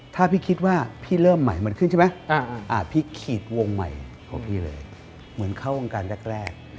ถ้าพี่คิดว่าพี่เริ่มใหม่มันขึ้นใช่ไหมพี่ขีดวงใหม่ของพี่เลยเหมือนเข้าวงการแรก